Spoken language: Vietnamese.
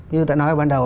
như đã nói ban đầu